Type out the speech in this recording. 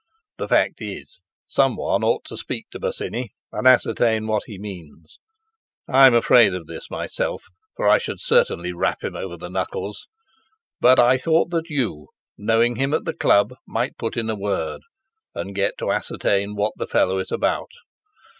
The fact is someone ought to speak to Bosinney and ascertain what he means. I'm afraid of this myself, for I should certainly rap him over the knuckles, but I thought that you, knowing him at the Club, might put in a word, and get to ascertain what the fellow is about.